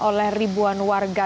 oleh ribuan warga